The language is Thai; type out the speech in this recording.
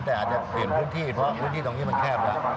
แต่อาจจะเปลี่ยนพื้นที่เพราะพื้นที่ตรงนี้มันแคบแล้ว